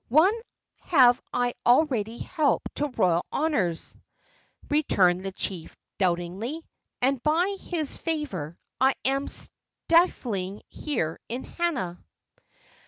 "One have I already helped to royal honors," returned the chief, doubtingly, "and by his favor I am stifling here in Hana."